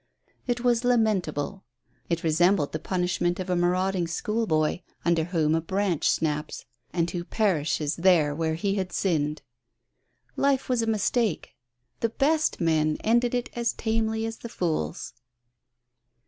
It was lamentable — it resembled the punishment of » maraud ing schoolboy, under whom a branch snaps, and who perishes there where he had sinned. Life was a mis take; the best men ended it as tamely as the fools.